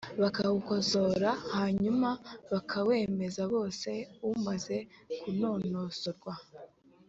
bakawukosora hanyuma bakawemera bose umaze kunonosorwa,